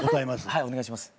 はいお願いします。